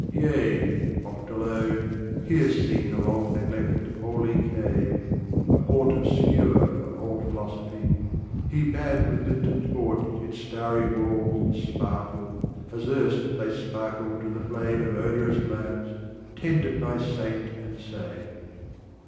Yea, oft alone, Piercing the long neglected holy cave, The haunt obscure of old Philosophy, He bade with lifted torch its starry walls Sparkle, as erst they sparkled to the flame Of odorous lamps tended by Saint and Sage.